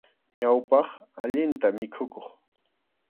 Ñawpaq, allinta mikhukuq.